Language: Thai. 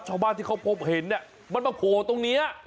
ชาวบ้านที่เขาพบเห็นเนี่ยมันมาโผล่ตรงนี้